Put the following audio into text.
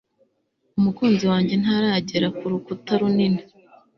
Umukunzi wanjye ntaragera kurukuta runini